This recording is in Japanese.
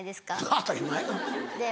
当たり前や。